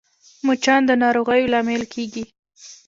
مچان د ناروغیو لامل کېږي